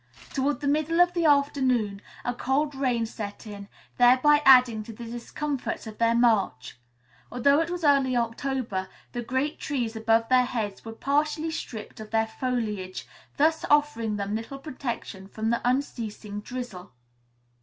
Toward the middle of the afternoon, a cold rain set in, thereby adding to the discomforts of their march. Although it was early October, the great trees above their heads were partially stripped of their foliage, thus offering them little protection from the unceasing drizzle.